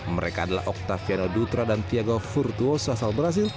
mereka adalah octaviano dutra dan thiago furtuoso asal brazil